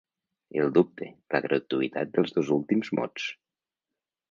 El dubte, la gratuïtat dels dos últims mots.